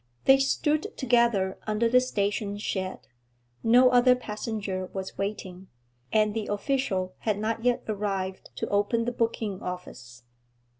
They stood together under the station shed. No other passenger was waiting, and the official had not yet arrived to open the booking office.